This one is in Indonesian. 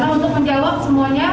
karena untuk menjawab semuanya